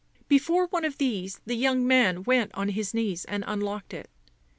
Before one of these the young man went on his knees and unlocked it.